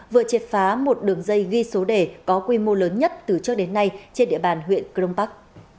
vừa triệt phá một đường dây ghi số đề có quy mô lớn nhất từ trước đến nay trên địa bàn huyện crong park